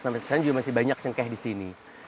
sampai sekarang juga masih banyak cengkeh di sini